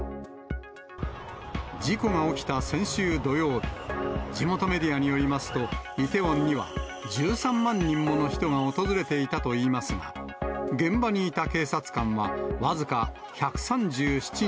事故が起きた先週土曜日、地元メディアによりますと、イテウォンには１３万人もの人が訪れていたといいますが、現場にいた警察官は僅か１３７人。